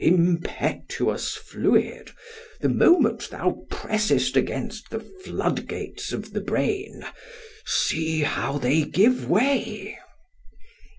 —Impetuous fluid! the moment thou pressest against the flood gates of the brain——see how they give way!